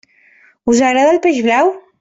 Us agrada el peix blau?